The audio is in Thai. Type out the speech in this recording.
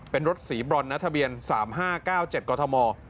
เป็นรถสีบรอนนะทะเบียน๓๕๙๗กฎธม